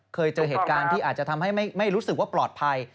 เคยเจอเหตุการณ์ที่อาจจะทำให้ไม่รู้สึกว่าปลอดภัย